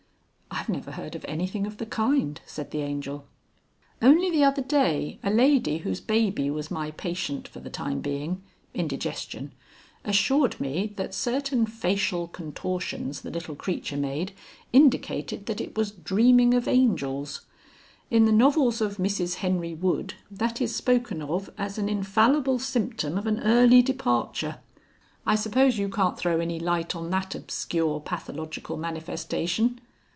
"I've never heard of anything of the kind," said the Angel. "Only the other day a lady whose baby was my patient for the time being indigestion assured me that certain facial contortions the little creature made indicated that it was Dreaming of Angels. In the novels of Mrs Henry Wood that is spoken of as an infallible symptom of an early departure. I suppose you can't throw any light on that obscure pathological manifestation?"